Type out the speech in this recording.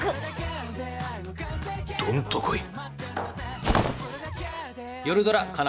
どんと来い。